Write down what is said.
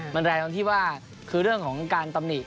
มันแรงตรงที่ว่าคือเรื่องของการตำหนิ